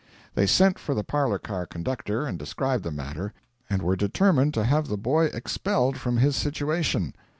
They sent for the parlour car conductor and described the matter, and were determined to have the boy expelled from his situation.